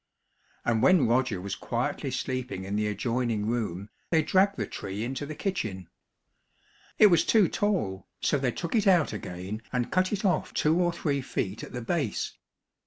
And when Roger was quietly sleeping in the adjoining room, they dragged the tree into the kitchen. It was too tall, so they took it out again and cut it off two or three feet at the base.